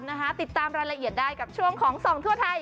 ติดตามรายละเอียดได้กับช่วงของส่องทั่วไทย